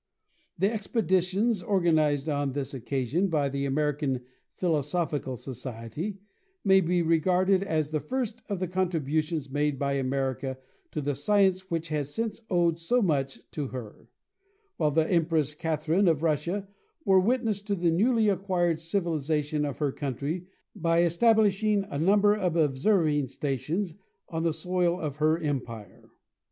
The expeditions organized on this occasion by the American Philosophical Society may be regarded as the first of the contributions made by America to the science which has since owed so much to her; while the Empress Catherine of Russia bore witness to the newly acquired civilization of her country by establishing a number of observing stations on the soil of her Empire.